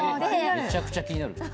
めちゃくちゃ気になる。